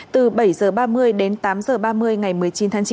từ bảy h ba mươi đến tám h ba mươi ngày một mươi chín tháng chín